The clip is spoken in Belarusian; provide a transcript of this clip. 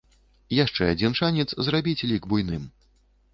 Яшчэ адзін шанец зрабіць лік буйным.